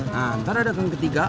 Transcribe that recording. nanti ada gang ketiga